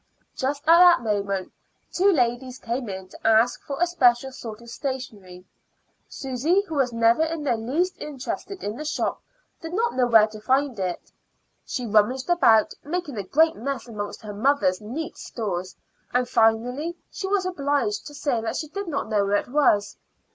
Just at that moment two ladies came in to ask for a special sort of stationery. Susy, who was never in the least interested in the shop, did not know where to find it. She rummaged about, making a great mess amongst her mother's neat stores; and finally she was obliged to say that she did not know where it was.